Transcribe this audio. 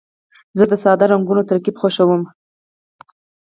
زه د ساده رنګونو ترکیب خوښوم.